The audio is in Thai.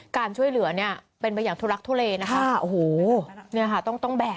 การช่วยเหลือเนี่ยเป็นไปอย่างทุลักทุเลนะคะโอ้โหเนี่ยค่ะต้องต้องแบก